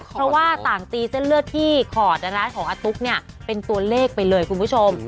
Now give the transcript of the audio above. เพราะว่าต่างตีเส้นเลือดที่ขอดของอาตุ๊กเนี่ยเป็นตัวเลขไปเลยคุณผู้ชม